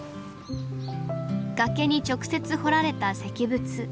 崖に直接彫られた石仏。